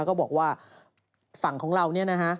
ก็บอกว่าฝั่งของเราเนี่ยนะฮะ